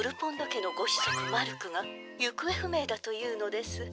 家のご子息マルクがゆくえふめいだというのです。